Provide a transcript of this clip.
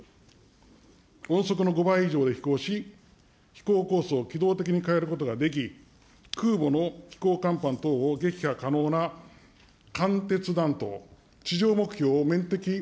音速の５倍以上で飛行し、飛行コースを機動的に変えることができ、空母の飛行かんぱん等を撃破可能なかんてつ弾頭、地上目標を面的